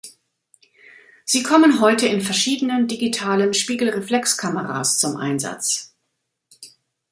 Sie kommen heute in verschiedenen digitalen Spiegelreflexkameras zum Einsatz.